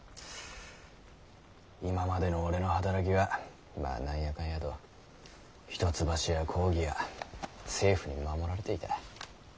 今までの俺の働きはまあ何やかんやと一橋や公儀や政府に守られていた。